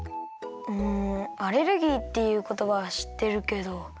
うんアレルギーっていうことばはしってるけど。